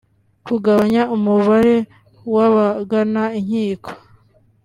kugabanya umubare w’abagana inkiko